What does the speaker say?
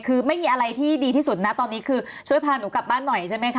คือไม่มีอะไรที่ดีที่สุดนะตอนนี้คือช่วยพาหนูกลับบ้านหน่อยใช่ไหมคะ